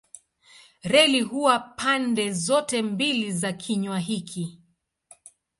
Reli huwa pande zote mbili za kinywa hiki.